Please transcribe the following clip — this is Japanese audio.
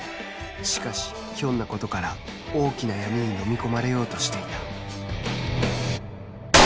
しかしひょんな事から大きな闇にのみ込まれようとしていた